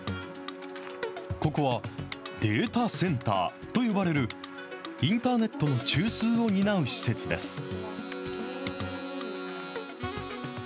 ここは、データセンターと呼ばれるインターネットの中枢を担う施設です。